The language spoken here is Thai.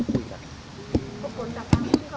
บุคคลแต่การที่เขาไม่มาวันนี้ค่ะ